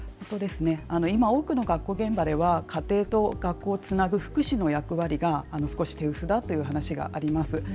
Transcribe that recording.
今、多くの学校現場では家庭と学校をつなぐ福祉の役割が手薄だという話があります。